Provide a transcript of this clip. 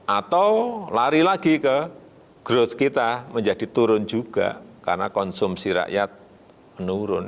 atau lari lagi ke growth kita menjadi turun juga karena konsumsi rakyat menurun